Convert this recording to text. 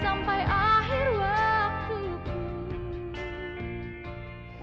sampai akhir waktuku